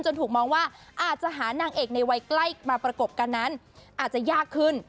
ถูกมองว่าอาจจะหานางเอกในวัยใกล้มาประกบกันนั้นอาจจะยากขึ้น